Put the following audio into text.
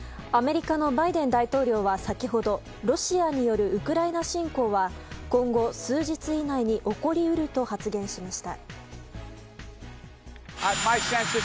アメリカのバイデン大統領は先ほどロシアによるウクライナ侵攻は今後、数日以内に起こり得ると発言しました。